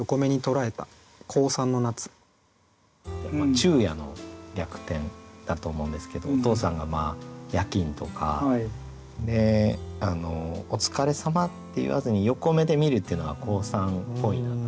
昼夜の逆転だと思うんですけどお父さんが夜勤とかで「お疲れさま」って言わずに横目で見るっていうのが高三っぽいなって。